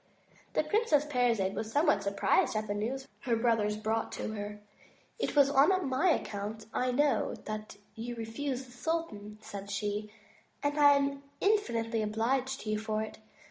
The Princess Parizade was somewhat surprised at the news her brothers brought her. It was on my account, I know, that you refused the sultan," said she, "and I am ini&nitely obliged to you for it.